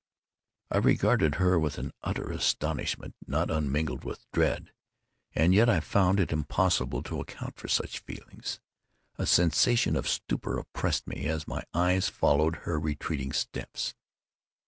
I regarded her with an utter astonishment not unmingled with dread—and yet I found it impossible to account for such feelings. A sensation of stupor oppressed me, as my eyes followed her retreating steps.